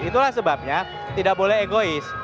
itulah sebabnya tidak boleh egois